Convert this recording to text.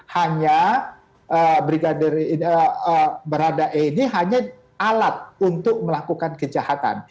hanya brigadir barada e ini hanya alat untuk melakukan kejahatan